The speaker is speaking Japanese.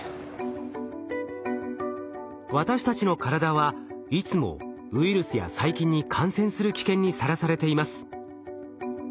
私たちの体はいつもウイルスや細菌に感染する危険にさらされています。